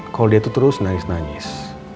kalau dia itu terus nangis nangis